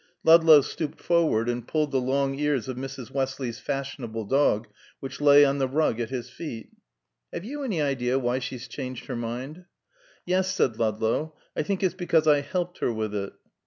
Ludlow stooped forward and pulled the long ears of Mrs. Westley's fashionable dog which lay on the rug at his feet. "Have you any idea why she's changed her mind?" "Yes," said Ludlow. "I think it's because I helped her with it."